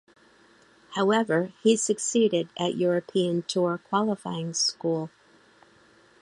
However he succeeded at European Tour Qualifying School.